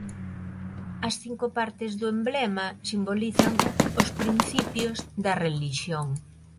As cinco partes do emblema simbolizan os Principios da Relixión.